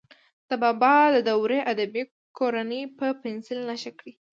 د بابا د دورې ادبي کورنۍ په پنسل نښه کړئ.